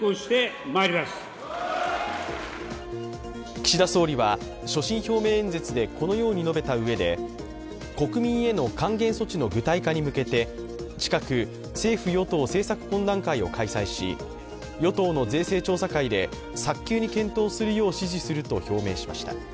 岸田総理は所信表明演説でこのように述べたうえで国民への還元措置の具体化に向けて近く、政府・与党政策懇談会を開催し与党の税制調査会で早急に検討するよう指示すると表明しました。